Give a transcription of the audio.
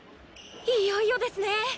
いよいよですね。